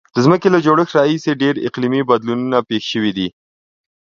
د ځمکې له جوړښت راهیسې ډیر اقلیمي بدلونونه پیښ شوي دي.